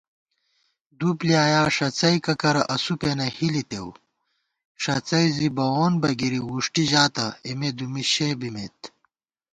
دُو بۡلیایا ݭڅَئیکہ کرہ اسُو پېنہ ہِلِتېؤ * ݭڅَئی زِی بَوون بہ گِری وُݭٹی ژاتہ اېمےدُمّی شےبِمېت